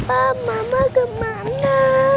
bapak mama kemana